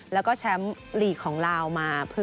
แล้วก็แชมป์ลีกของลาวมา